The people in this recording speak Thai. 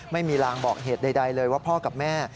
ไม่มีรางบอกเหตุใดเลยว่าพ่อกับแม่